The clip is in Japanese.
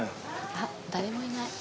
あっ誰もいない。